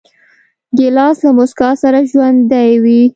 ګیلاس له موسکا سره ژوندی وي.